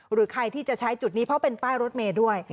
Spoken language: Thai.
หรือใครที่จะใช้จุดนี้เพราะเป็นป้ายรถเมย์ด้วย